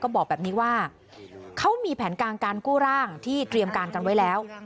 บอกแบบนี้ว่าเขามีแผนการการกู้ร่างที่เตรียมการกันไว้แล้ว